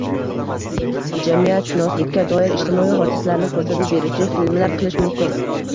jamiyatshunoslikka doir ijtimoiy hodisalarni ko‘rsatib beruvchi filmlar qilish mumkin».